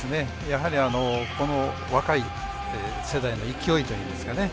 やはりこの若い世代の勢いというんですかね。